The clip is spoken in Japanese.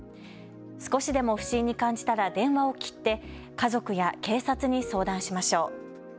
少しでも不審に感じたら電話を切って家族や警察に相談しましょう。